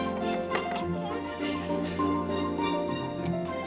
aku juga mau